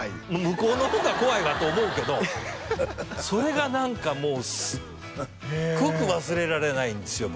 向こうの方が怖いわと思うけどそれが何かもうすっごく忘れられないんですよ